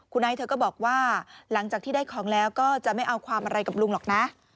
คุณไอซ์เธอก็บอกว่าหลังจากที่ได้ของแล้วก็จะไม่เอาความอะไรกับลุงหรอกนะ